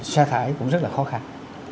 xa thải cũng rất là khó khăn